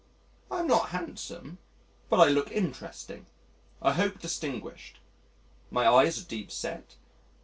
I am not handsome, but I look interesting I hope distinguished. My eyes are deep set